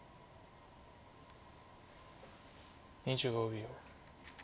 ２５秒。